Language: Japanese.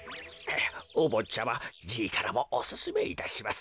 おぼっちゃまじいからもおすすめいたします。